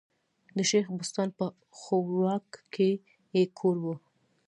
د شېخ بستان په ښوراوک کي ئې کور ؤ.